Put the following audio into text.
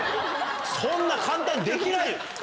そんな簡単にできない。